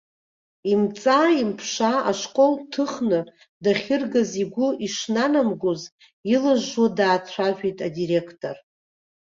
Имҵаа-имԥшаа ашкол дҭыхны дахьыргаз игәы ишнанамгоз илжжуа даацәажәеит адиректор.